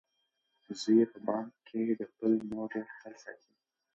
زوی یې په بن کې د خپلې مور ډېر خیال ساتي.